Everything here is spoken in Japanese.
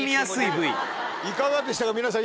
いかがでしたか皆さん